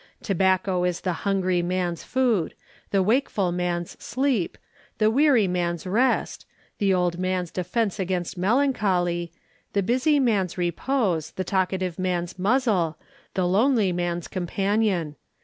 Tobacco is the hungry man's food, the wakeful man's sleep, the weary man's rest, the old man's defence against melancholy, the busy man's repose, the talkative man's muzzle, the lonely man's companion.